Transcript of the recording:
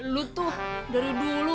lu tuh dari dulu